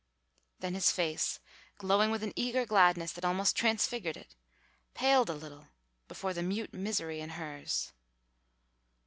Then his face, glowing with an eager gladness that almost transfigured it, paled a little before the mute misery in hers.